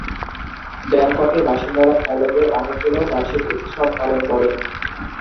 ব্যাংককের বাসিন্দারা থাইল্যান্ডের অনেকগুলো বার্ষিক উৎসব পালন করে।